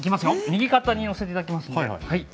右肩にのせていただきますんで。